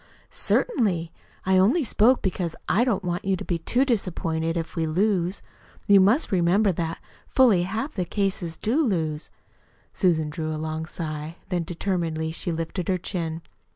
"Certainly. I only spoke because I don't want you to be too disappointed if if we lose. You must remember that fully half of the cases do lose." Susan drew a long sigh. Then, determinedly she lifted her chin.